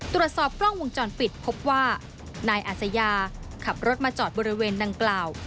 ตรวจสอบกล้องวงจรปิดพบว่านายอาศยาขับรถมาจอดบริเวณดังกล่าว